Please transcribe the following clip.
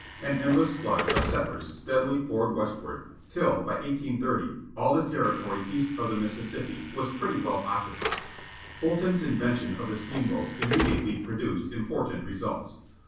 An endless flood of settlers steadily poured westward, till by 1830, all the territory east of the Mississippi was pretty well occupied. Fulton's invention of the steamboat immediately produced important results.